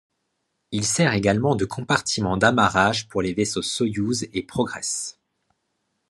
Il sert également de compartiment d'amarrage pour les vaisseaux Soyouz et Progress.